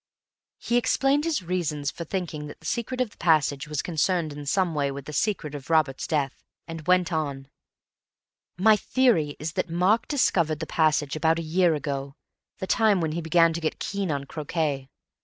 He explained his reasons for thinking that the secret of the passage was concerned in some way with the secret of Robert's death, and went on: "My theory is that Mark discovered the passage about a year ago—the time when he began to get keen on croquet.